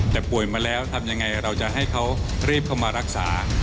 แต่ป่วยมาแล้วทำยังไงเราจะให้เขารีบเข้ามารักษา